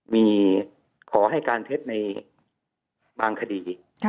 มีขอให้การเท็จในบางคดี